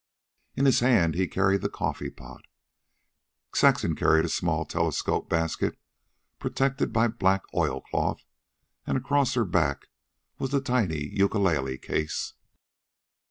In his hand he carried the coffee pot. Saxon carried a small telescope basket protected by black oilcloth, and across her back was the tiny ukulele case.